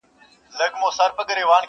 جوړ له انګورو څه پیاله ستایمه,